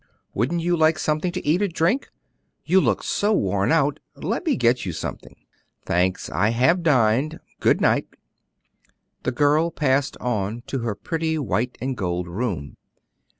"Wouldn't you like something to eat or drink? You look so worn out; let me get you something." "Thanks; I have dined. Good night." The girl passed on to her pretty white and gold room.